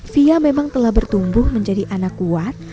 fia memang telah bertumbuh menjadi anak kuat